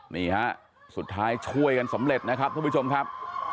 นี่ฮะสุดท้ายช่วยกันสำเร็จนะครับทุกผู้ชมครับ